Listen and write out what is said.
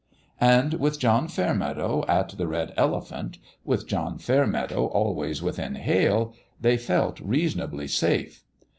And with John Fair meadow at the Red Elephant with John Fair meadow always within hail they felt reasonably safe.